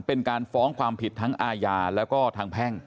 เป็นการฟ้องความผิดทั้งอาญาแล้วก็ทางแพ่ง